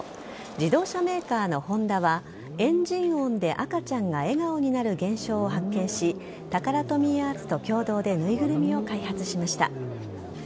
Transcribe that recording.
自動車メーカーのホンダはエンジン音で赤ちゃんが笑顔になる現象を発見しタカラトミーアーツと共同で縫いぐるみを開発しました。